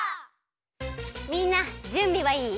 みんなじゅんびはいい？